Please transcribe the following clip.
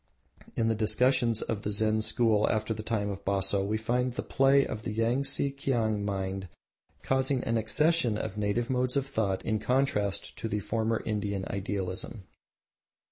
In the discussions of the Zen school after the time of Baso we find the play of the Yangtse Kiang mind causing an accession of native modes of thought in contrast to the former Indian idealism.